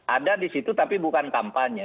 ada di situ tapi bukan kampanye